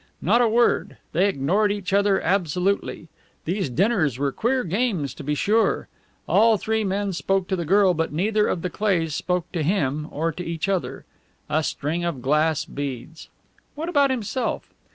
Not a word! They ignored each other absolutely. These dinners were queer games, to be sure. All three men spoke to the girl, but neither of the Cleighs spoke to him or to each other. A string of glass beads! What about himself?